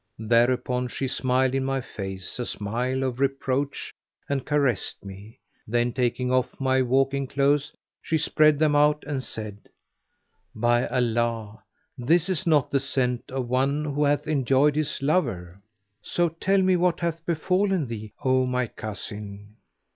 Thereupon she smiled in my face a smile of reproach and caressed me; then taking off my walking clothes, she spread them out and said, "By Allah, this is not the scent of one who hath enjoyed his lover! So tell me what hath befallen thee, O my cousin."